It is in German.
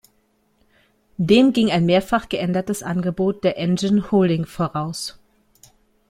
Dem ging ein mehrfach geändertes Angebot der Engine Holding voraus.